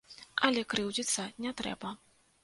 Але крыўдзіцца не трэба.